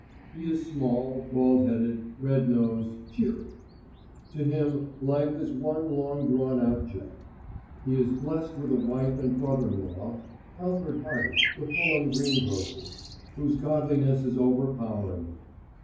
He is small, bald headed, red nosed, cheery. To him life is one long drawn out joke. He is blessed with a wife and brother in law (Alfred Hearty, the Fulham greengrocer), whose godliness is overpowering.